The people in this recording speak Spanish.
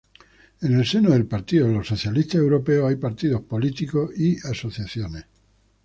En el seno del Partido de los Socialistas Europeos hay partidos políticos y asociaciones.